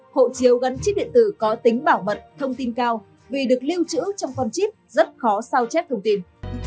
hộ chiếu gắn chip điện tử có tính bảo mật thông tin cao vì được lưu trữ trong con chip rất khó sao chép thông tin